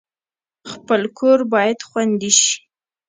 خپل کور باید خوندي شي